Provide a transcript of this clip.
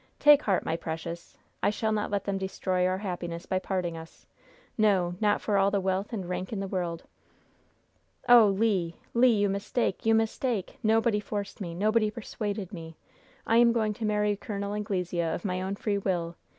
Take heart, my precious. I shall not let them destroy our happiness by parting us. No, not for all the wealth and rank in the world!" "Oh, Le! Le! you mistake! you mistake! Nobody forced me! Nobody persuaded me! I am going to marry Col. Anglesea of my own free will!